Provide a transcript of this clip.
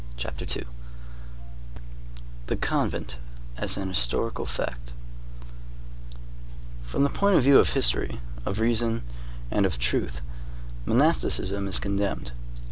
CHAPTER II—THE CONVENT AS AN HISTORICAL FACT From the point of view of history, of reason, and of truth, monasticism is condemned.